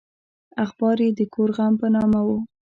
اخبار یې د کور غم په نامه و.